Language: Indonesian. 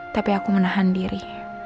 tapi aku menahan diri